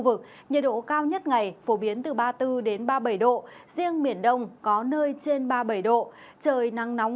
vực nhiệt độ cao nhất ngày phổ biến từ ba mươi bốn ba mươi bảy độ riêng miền đông có nơi trên ba mươi bảy độ trời nắng nóng